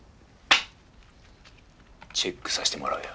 チェックさせてもらうよ。